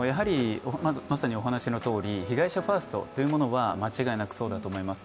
やはり、被害者ファーストというものは間違いなくそうだと思います。